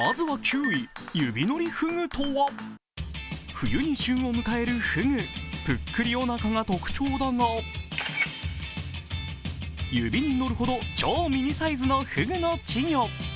冬に旬を迎えるふぐ、ぷっくりおなかが特徴だが、指に乗るほど超ミニサイズのふぐ。